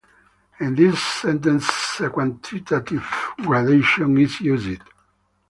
In this sentence, a quantitative gradation is used.